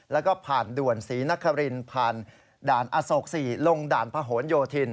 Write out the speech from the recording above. แล้วก็ผ่านด่วนศรีนครินผ่านด่านอโศก๔ลงด่านพะโหนโยธิน